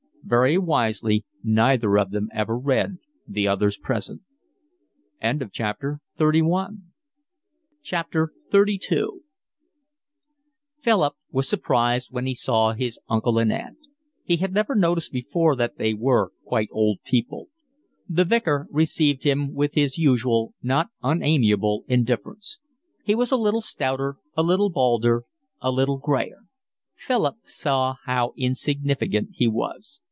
Very wisely neither of them ever read the other's present. XXXII Philip was surprised when he saw his uncle and aunt. He had never noticed before that they were quite old people. The Vicar received him with his usual, not unamiable indifference. He was a little stouter, a little balder, a little grayer. Philip saw how insignificant he was.